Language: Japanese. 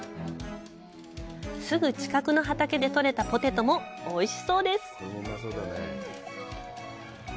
すぐ近くの畑で採れたポテトもおいしそうです。